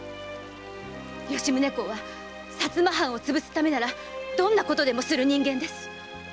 吉宗公は薩摩藩を潰すためならどんなことでもする人間です！